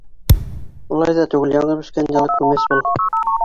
Улай ҙа түгел, яңы бешкән йылы күмәс был.